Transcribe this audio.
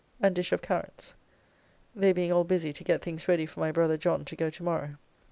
] and dish of carrots; they being all busy to get things ready for my brother John to go to morrow.